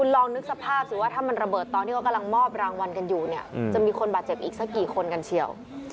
ลองนึกสภาพสิว่าถ้ามันระเบิดตอนที่เขากำลังมอบรางวัลกันอยู่เนี่ยจะมีคนบาดเจ็บอีกสักกี่คนกันเฉียว